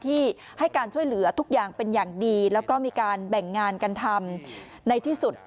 ที่ให้การช่วยเหลือทุกอย่างเป็นอย่างดีแล้วก็มีการแบ่งงานกันทำในที่สุด